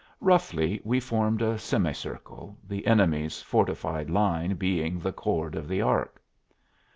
Roughly, we formed a semicircle, the enemy's fortified line being the chord of the arc.